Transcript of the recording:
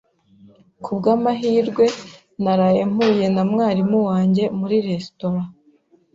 Ku bw'amahirwe, naraye mpuye na mwarimu wanjye muri resitora.